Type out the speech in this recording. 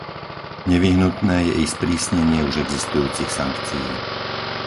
Nevyhnutné je i sprísnenie už existujúcich sankcií.